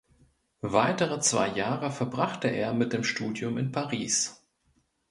Weitere zwei Jahre verbrachte er mit dem Studium in Paris.